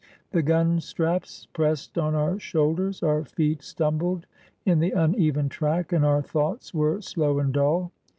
The gun straps pressed on our shoulders, our feet stumbled in the uneven track, and our thoughts were slow and dull.